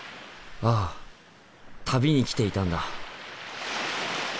ああ旅に来ていたんだ。